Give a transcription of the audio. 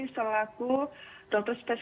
selaku dokter spesialisasi